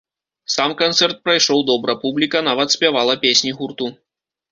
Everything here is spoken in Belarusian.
Сам канцэрт прайшоў добра, публіка нават спявала песні гурту.